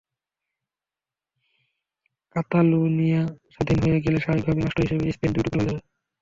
কাতালুনিয়া স্বাধীন হয়ে গেলে স্বাভাবিকভাবেই রাষ্ট্র হিসেবে স্পেন দুই টুকরো হয়ে যাবে।